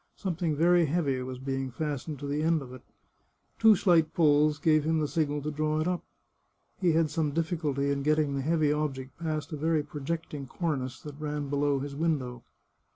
Something very heavy was being fastened to the end of it. Two slight pulls gave him the signal to draw it up. He had some difficulty in getting the heavy object past a very projecting cornice that ran below his window.